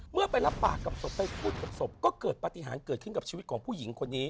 เมื่อไปรับปากกับศพไปพูดกับศพก็เกิดปฏิหารเกิดขึ้นกับชีวิตของผู้หญิงคนนี้